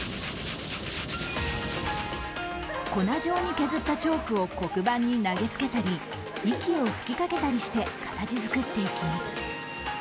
粉状に削ったチョークを黒板に投げつけたり息を吹きかけたりして形づくっていきます。